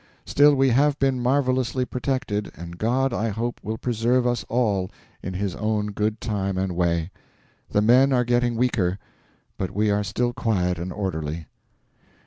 Still, we have been marvellously protected, and God, I hope, will preserve us all in His own good time and way. The men are getting weaker, but are still quiet and orderly.